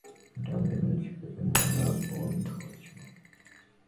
এটাই আমাদের মিল ছিল, এজন্যই আমরা বন্ধু হয়েছিলাম।